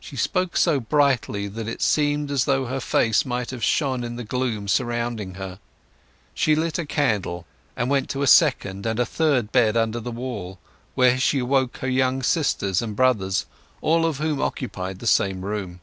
She spoke so brightly that it seemed as though her face might have shone in the gloom surrounding her. She lit a candle, and went to a second and a third bed under the wall, where she awoke her young sisters and brothers, all of whom occupied the same room.